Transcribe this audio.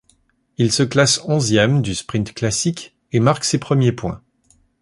Il se classe onzième du sprint classique et marque ses premiers points.